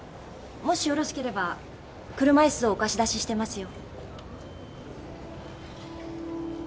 もしよろしければ車椅子をお貸し出ししてますよ。